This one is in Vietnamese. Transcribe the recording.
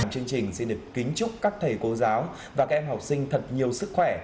chương trình xin được kính chúc các thầy cô giáo và các em học sinh thật nhiều sức khỏe